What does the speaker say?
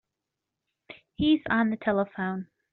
He's on the telephone.